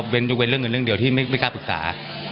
เป็นเรื่องเดียวที่ไม่กล้าปรึกษา